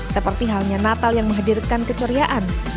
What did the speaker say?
seperti halnya natal yang menghadirkan keceriaan